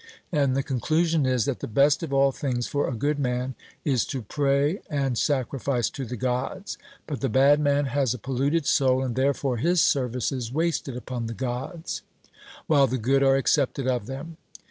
And the conclusion is, that the best of all things for a good man is to pray and sacrifice to the Gods; but the bad man has a polluted soul; and therefore his service is wasted upon the Gods, while the good are accepted of them.